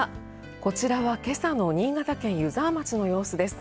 こちらは今朝の新潟県湯沢町の様子です。